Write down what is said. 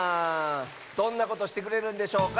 どんなことしてくれるんでしょうか？